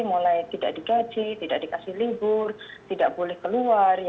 mulai tidak digaji tidak dikasih libur tidak boleh keluar